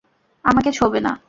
আমাকে ছোঁবে না।